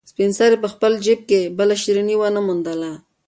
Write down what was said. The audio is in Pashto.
سپین سرې په خپل جېب کې بله شيرني ونه موندله.